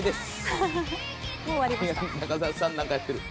中澤さんなんかやってる。